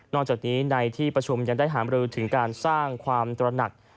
จากนี้ในที่ประชุมยังได้หามรือถึงการสร้างความตระหนัก